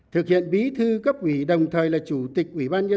thực hiện bí thư cấp quỷ đồng thời là chủ tịch hội đồng nhân dân